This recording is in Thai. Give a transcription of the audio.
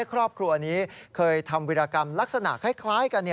ครอบครัวนี้เคยทำวิรากรรมลักษณะคล้ายกัน